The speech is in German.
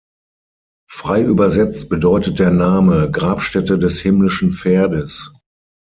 Frei übersetzt bedeutet der Name „Grabstätte des himmlischen Pferdes“.